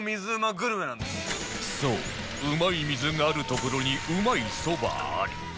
そううまい水がある所にうまい蕎麦あり